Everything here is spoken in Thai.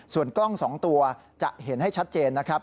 ส่วนกล้อง๒ตัวจะเห็นให้ชัดเจนนะครับ